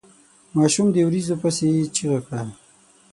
ماشوم د وريجو پسې چيغه کړه.